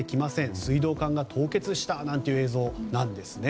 水道管が凍結したなんて映像なんですね。